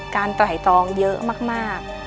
การต่อยตองเยอะมาก